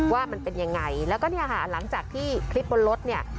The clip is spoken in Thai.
ว่ามันเป็นยังไงแล้วก็เนี่ยค่ะหลังจากที่คลิปบนรถเนี่ย